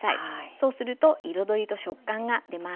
そうすると彩りと食感が出ます。